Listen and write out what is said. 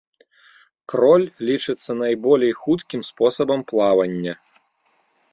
Кроль лічыцца найболей хуткім спосабам плавання.